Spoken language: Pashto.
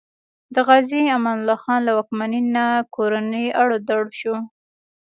د غازي امان الله خان له واکمنۍ نه کورنی اړو دوړ شو.